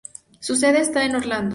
Su sede está en Orlando.